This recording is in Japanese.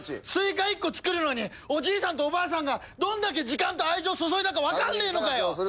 スイカ１個作るのにおじいさんとおばあさんがどんだけ時間と愛情注いだかわかんねえのかよ！